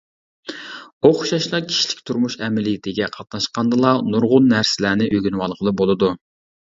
ئوخشاشلا، كىشىلىك تۇرمۇش ئەمەلىيىتىگە قاتناشقاندىلا، نۇرغۇن نەرسىلەرنى ئۆگىنىۋالغىلى بولىدۇ.